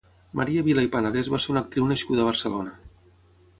Maria Vila i Panadès va ser una actriu nascuda a Barcelona.